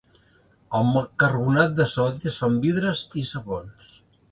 Amb el carbonat de sodi es fan vidres i sabons.